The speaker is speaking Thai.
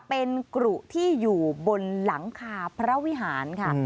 เป็นกรุที่อยู่บนหลังคาพระวิหารค่ะ